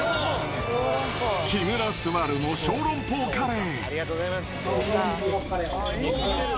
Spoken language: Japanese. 木村昴の小籠包カレー。